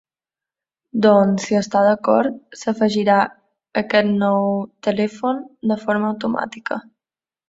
Doncs si està d'acord, s'afegirà aquest nou telèfon de forma automàtica.